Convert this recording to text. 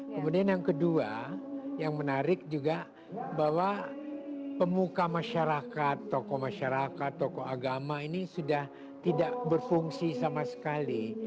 kemudian yang kedua yang menarik juga bahwa pemuka masyarakat tokoh masyarakat tokoh agama ini sudah tidak berfungsi sama sekali